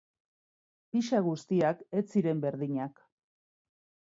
Pixa guztiak ez ziren berdinak.